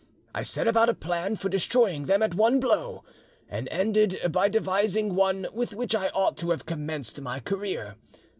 I set about a plan for destroying them at one blow, and ended by devising one with which I ought to have commenced my career.